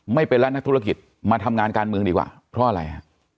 ไม่เป็นแล้วนักธุรกิจมาทำงานการเมืองดีกว่าเพราะอะไรฮะ